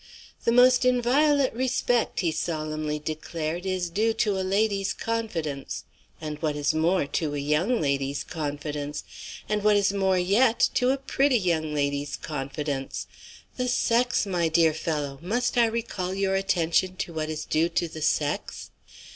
"The most inviolate respect," he solemnly declared, "is due to a lady's confidence and, what is more, to a young lady's confidence and, what is more yet, to a pretty young lady's confidence. The sex, my dear fellow! Must I recall your attention to what is due to the sex?"